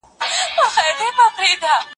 باید د مذهبي ارزښتونو درناوی وسي.